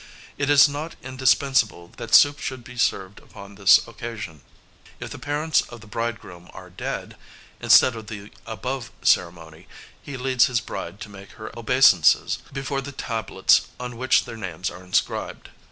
It is not indispensable that soup should be served upon this occasion. If the parents of the bridegroom are dead, instead of the above ceremony, he leads his bride to make her obeisances before the tablets on which their names are inscribed.